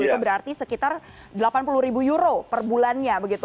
itu berarti sekitar delapan puluh ribu euro per bulannya begitu